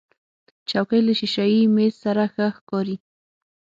چوکۍ له شیشهيي میز سره ښه ښکاري.